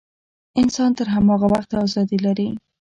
انسان تر هماغه وخته ازادي لري.